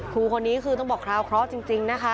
ครูคนนี้คือต้องบอกคราวเคราะห์จริงนะคะ